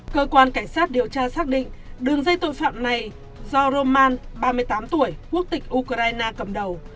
cơ quan cảnh sát điều tra xác định đường dây tội phạm này do roman ba mươi tám tuổi quốc tịch ukraine cầm đầu